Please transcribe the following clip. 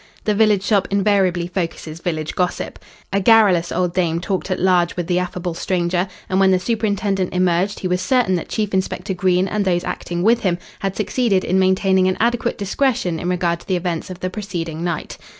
The village shop invariably focuses village gossip. A garrulous old dame talked at large with the affable stranger, and when the superintendent emerged he was certain that Chief Inspector Green and those acting with him had succeeded in maintaining an adequate discretion in regard to the events of the preceding night.